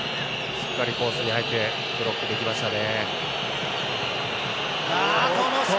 しっかり、コースに入ってブロックできましたね。